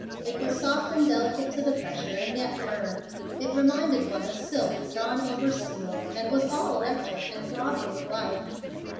It was soft and delicate to the pressure, and yet firm. It reminded one of silk drawn over steel, and was all electric and throbbing with life.